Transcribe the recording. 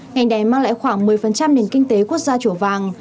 ngành đáy mang lại khoảng một mươi nền kinh tế quốc gia chủ vàng